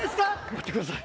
待ってください。